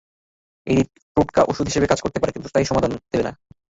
এটি টোটকা ওষুধ হিসেবে কাজ করতে পারে, কিন্তু স্থায়ী সমাধান দেবে না।